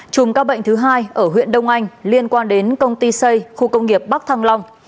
chùm các bệnh thứ hai ở huyện đông anh liên quan đến công ty xây khu công nghiệp bắc thăng long